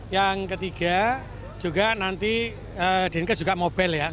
yang ketiga juga nanti dinkes juga mobile ya